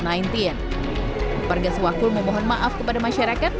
pak garis sewakul memohon maaf kepada masyarakat